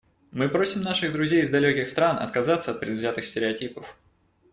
Мы просим наших друзей из далеких стран отказаться от предвзятых стереотипов.